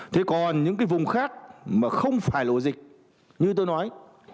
thế còn những cái vùng khác mà không phải là ổ dịch như tôi nói